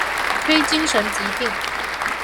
非精神疾病